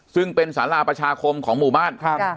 ซึ่งเป็นสาราประชาคมของหมู่บ้าน